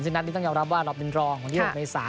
ซึ่งนัดนี้ต้องยอมรับว่าเราเป็นรองวันที่๖เมษา